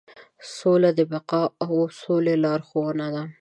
سوله د بقا او سولې لارښود ده.